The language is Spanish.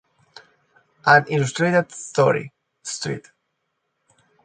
An Illustrated History", St.